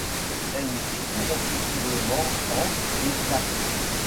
Elle y figure respectivement en et place.